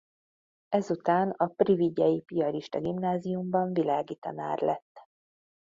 Ezután a privigyei piarista gimnáziumban világi tanár lett.